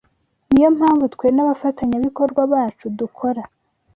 Ni yo mpamvu twe n’abafatanyabikorwa bacu dukora